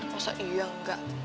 maksudnya iya enggak